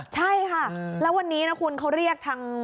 ใช่ค่ะแล้ววันนี้นะคุณเขาเรียกทาง